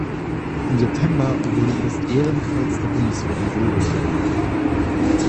Im September wurde ihr das Ehrenkreuz der Bundeswehr in Silber verliehen.